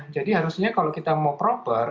jadi harusnya kalau kita mau proper